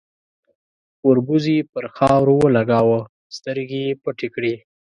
، وربوز يې پر خاورو ولګاوه، سترګې يې پټې کړې.